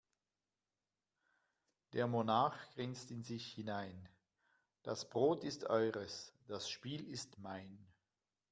Der Monarch grinst in sich hinein: Das Brot ist eures, das Spiel ist mein.